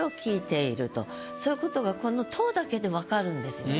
そういう事がこの「と」だけで分かるんですよね。